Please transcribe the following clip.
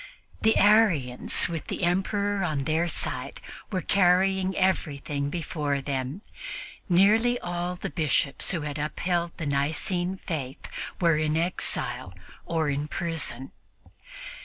The Arians, with the Emperor on their side, were carrying everything before them. Nearly all the Bishops who had upheld the Nicene faith were in exile or in prison.